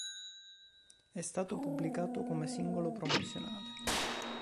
È stato pubblicato come singolo promozionale.